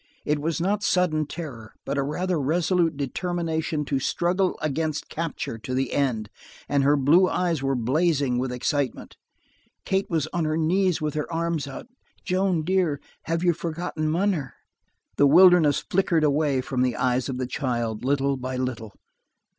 It was not sudden terror, but rather a resolute determination to struggle against capture to the end, and her blue eyes were blazing with excitement. Kate was on her knees with her arms held out. "Joan, dear, have you forgotten munner?" The wildness flickered away from the eyes of the child little by little.